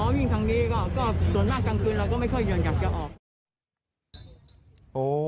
อ๋อวิ่งทางนี้ก็ส่วนมากกลางคืนเราก็ไม่เคยหยุดกับจะออก